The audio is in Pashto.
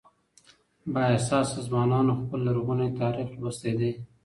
بااحساسه ځوانانو خپل لرغونی تاريخ لوستی دی.